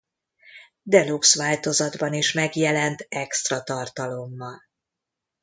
Deluxe változatban is megjelent extra tartalommal.